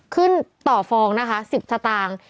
ขึ้นต่อฟองนะคะ๑๐สตางค์